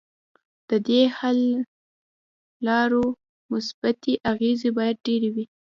ددې حل لارو مثبتې اغیزې باید ډیرې وي.